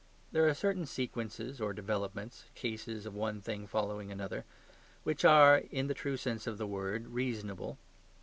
There are certain sequences or developments (cases of one thing following another), which are, in the true sense of the word, reasonable.